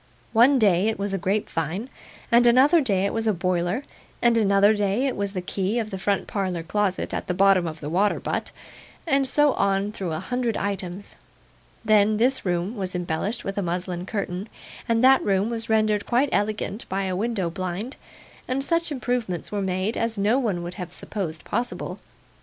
One day it was a grapevine, and another day it was a boiler, and another day it was the key of the front parlour closet at the bottom of the water butt, and so on through a hundred items. Then, this room was embellished with a muslin curtain, and that room was rendered quite elegant by a window blind, and such improvements were made, as no one would have supposed possible.